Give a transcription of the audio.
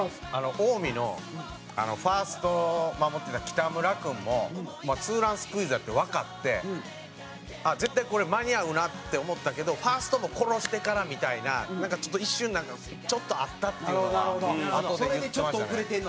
近江のファーストを守ってた北村君もツーランスクイズやってわかって絶対これ間に合うなって思ったけどファーストも殺してからみたいな一瞬なんかちょっとあったっていうのがあとで言ってましたね。